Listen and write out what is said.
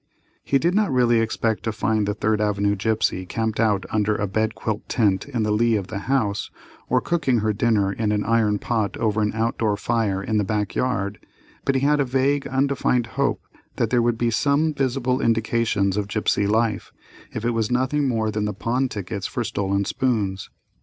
He did not really expect to find the Third Avenue gipsy camped out under a bed quilt tent in the lee of the house, or cooking her dinner in an iron pot over an out door fire in the back yard, but he had a vague undefined hope that there would be some visible indications of gipsy life, if it was nothing more than the pawn tickets for stolen spoons.